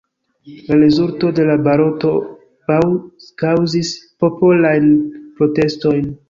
La rezulto de la baloto kaŭzis popolajn protestojn.